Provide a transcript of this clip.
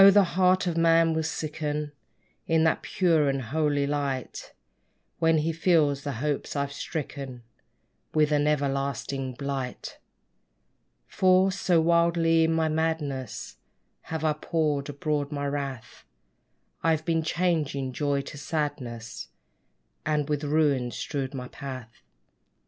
the heart of man will sicken In that pure and holy light, When he feels the hopes I've stricken With an everlasting blight! For, so wildly in my madness Have I poured abroad my wrath, I've been changing joy to sadness; And with ruins strewed my path.